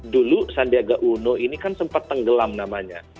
dulu sandiaga uno ini kan sempat tenggelam namanya